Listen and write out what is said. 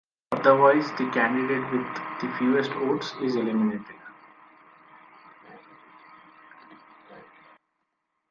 Otherwise, the candidate with the fewest votes is eliminated.